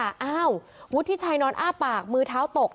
อ้าววุฒิชัยนอนอ้าปากมือเท้าตก